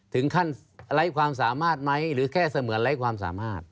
ไร้ความสามารถไหมหรือแค่เสมือนไร้ความสามารถ